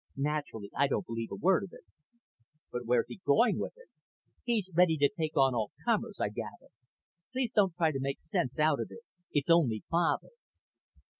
Naturally I don't believe a word of it." "But where's he going with it?" "He's ready to take on all comers, I gather. Please don't try to make sense out of it. It's only Father."